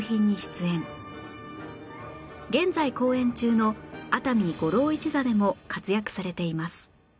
現在公演中の熱海五郎一座でも活躍されています